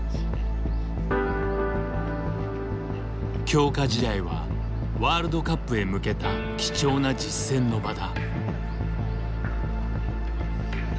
強化試合はワールドカップへ向けた貴重な実戦の場だ。